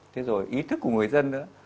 thế rồi ý thức của người dân nữa